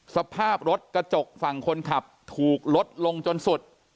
สภาพรถกระจกฝั่งคนขับถูกลดลงจนสุด